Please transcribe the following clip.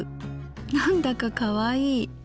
なんだかかわいい。